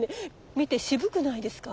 見て渋くないですか。